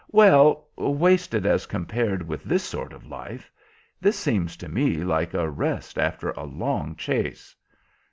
"Well, wasted as compared with this sort of life. This seems to me like a rest after a long chase."